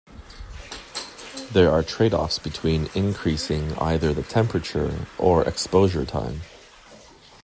There are trade-offs between increasing either the temperature or exposure time.